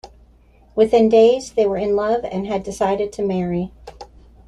Within days, they were in love and had decided to marry.